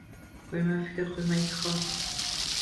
Quyma fikr, quyma izhor